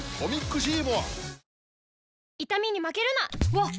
わっ！